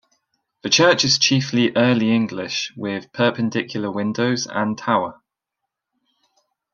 The church is chiefly Early English with Perpendicular windows and tower.